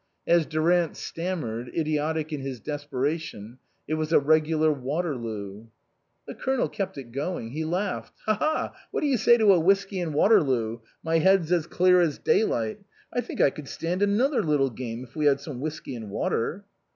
As Durant stammered, idiotic in his desperation, it was " a regular Water loo." The Colonel kept it going. He laughed, " Ha ha ! What do you say to a whiskey and water loo ? My head's as clear as daylight. I think I could stand another little game if we had some whiskey and water."